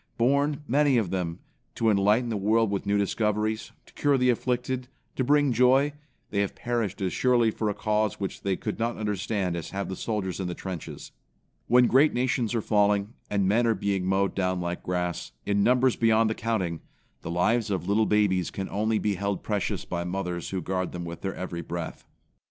Born, many of them, to enlighten the world with new discoveries, to cure the afflicted, to bring joy, they have perished as surely or a cause which they could not understand as have the soldiers in the trenches. When great nations are falling, and men are being mowed down like grass, in numbers beyond the counting, the lives of little babies can only be held precious by mothers who guard them with their every breath.